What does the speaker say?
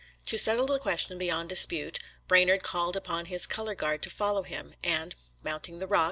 To settle the question be yond dispute, Branard called upon his color guard to follow him, and, mounting the rocks.